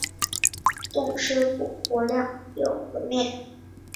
冻尸骨国亮了又灭。